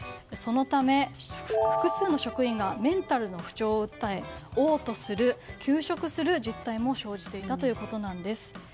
そのため、複数の職員がメンタルの不調を訴え嘔吐する、休職する実態も生じていたということです。